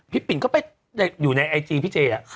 ปิ่นก็ไปอยู่ในไอจีพี่เจ